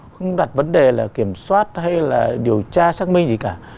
không đặt vấn đề là kiểm soát hay là điều tra xác minh gì cả